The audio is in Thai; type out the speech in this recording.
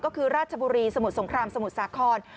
ก็คือราชบุรีสมุทรสงครามสมุทรสาคร